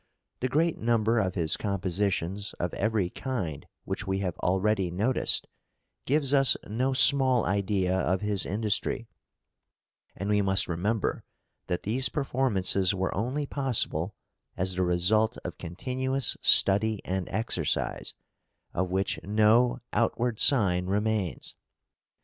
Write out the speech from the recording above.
The great number of his compositions of every kind which we have already noticed gives us no small idea of his industry; and we must remember that these performances were only possible as the result of continuous study and exercise, of which no outward sign remains.